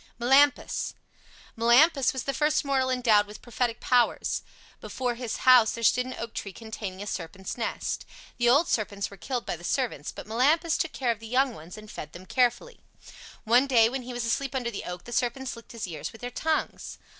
MELAMPUS Melampus was the first mortal endowed with prophetic powers. Before his house there stood an oak tree containing a serpent's nest. The old serpents were killed by the servants, but Melampus took care of the young ones and fed them carefully. One day when he was asleep under the oak the serpents licked his ears with their tongues.